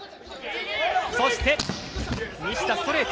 そして西田、ストレート！